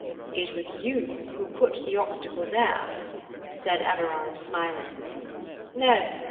"It was you who put the obstacle there," said Everard, smiling. "No.